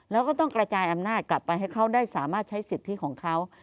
แล้วก็ต้องกระจายอำนาจกลับไปให้เขาได้สามารถใช้สิทธิของเขา